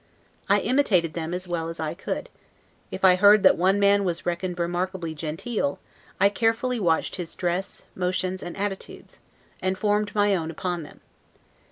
I imitated them as well as I could; if I heard that one man was reckoned remarkably genteel, I carefully watched his dress, motions and attitudes, and formed my own upon them.